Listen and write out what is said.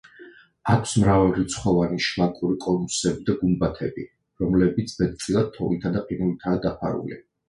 აქვს მრავალრიცხოვანი შლაკური კონუსები და გუმბათები, რომლებიც მეტწილად თოვლითა და ყინულითაა დაფარული.